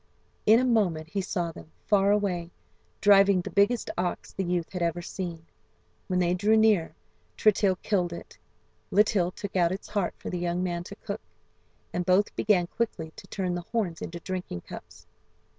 In a moment he saw them, far away, driving the biggest ox the youth had ever seen. When they drew near, Tritill killed it, Litill took out its heart for the young man to cook, and both began quickly to turn the horns into drinking cups.